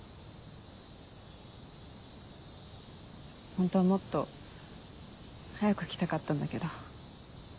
ホントはもっと早く来たかったんだけど。